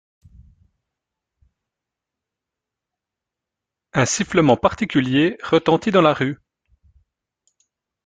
Un sifflement particulier retentit dans la rue.